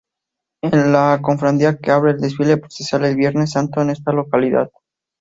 Es la cofradía que abre el desfile procesional el Viernes Santo en esta localidad.